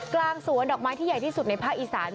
กลางสวนดอกไม้ที่ใหญ่ที่สุดในภาคอีสาน